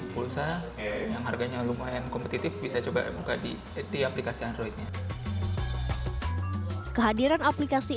pulsa yang harganya lumayan kompetitif bisa coba buka di aplikasi androidnya kehadiran aplikasi